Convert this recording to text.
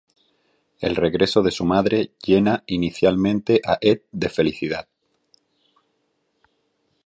El regreso de su madre llena inicialmente a Ed de felicidad.